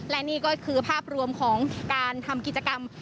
และนี่ก็คือภาพรวมของการทำกิจกรรม